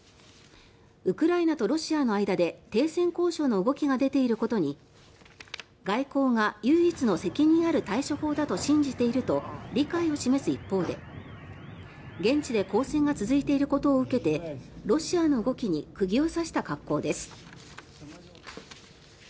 ウクライナとロシアの間で停戦交渉の動きが出ていることに外交が唯一の責任ある対処法だと信じていると理解を示す一方で、現地で交戦が続いていることを受けてロシアの動きに釘を刺した格好です。